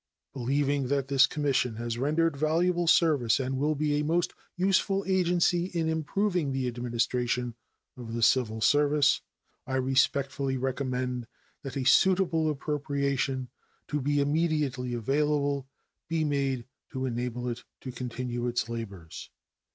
Believing that this Commission has rendered valuable service and will be a most useful agency in improving the administration of the civil service, I respectfully recommend that a suitable appropriation, to be immediately available, be made to enable it to continue its labors.